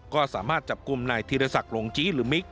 ก็สามารถจับกุมในธีรศักดิ์หรือมิก